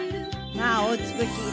まあお美しい。